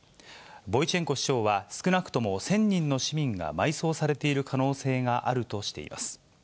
ボイチェンコ市長は、少なくとも１０００人の市民が埋葬されている可能性があるとしています。